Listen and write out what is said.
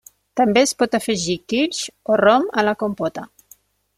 També es pot afegir kirsch o rom a la compota.